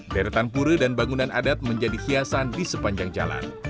deretan pure dan bangunan adat menjadi hiasan di sepanjang jalan